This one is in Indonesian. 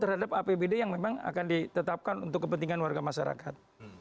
terhadap apbd yang memang akan ditetapkan untuk kepentingan warga masyarakat